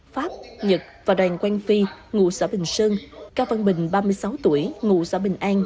pháp nhật và đoàn quan phi ngụ xã bình sơn cao văn bình ba mươi sáu tuổi ngụ xã bình an